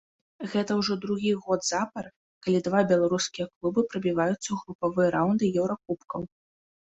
Гэта ўжо другі год запар, калі два беларускія клубы прабіваюцца ў групавыя раўнды еўракубкаў.